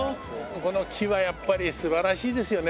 この木はやっぱり素晴らしいですよね。